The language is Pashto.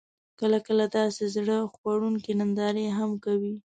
کله، کله داسې زړه خوړونکې نندارې هم کوي: